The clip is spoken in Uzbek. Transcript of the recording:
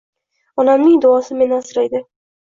Onamning duosi meni asraydi